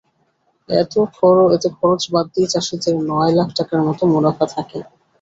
এতে খরচ বাদ দিয়ে চাষিদের নয় লাখ টাকার মতো মুনাফা থাকে।